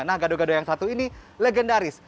nah gado gado yang satu ini legendaris